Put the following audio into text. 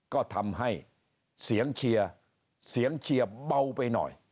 ก็ทำให้เสียงเชียบเบาไปหน่อย